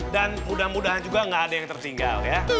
dan mudah mudahan juga gak ada yang tertinggal ya